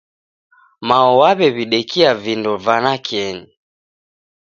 Mao w'aw'edidekia vindo va nakenyi